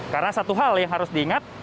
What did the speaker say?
karena satu hal yang terjadi adalah